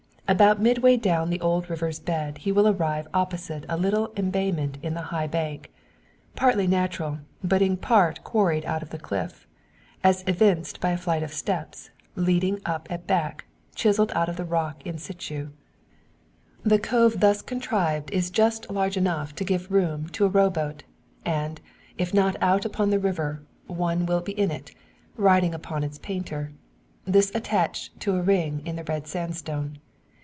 About midway down the old river's bed he will arrive opposite a little embayment in the high bank, partly natural, but in part quarried out of the cliff as evinced by a flight of steps, leading up at back, chiselled out of the rock in situ. The cove thus contrived is just large enough to give room to a row boat; and, if not out upon the river, one will be in it, riding upon its painter; this attached to a ring in the red sandstone.